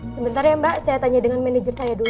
sebentar ya mbak saya tanya dengan manajer saya dulu